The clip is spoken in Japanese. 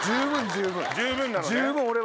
十分なのね。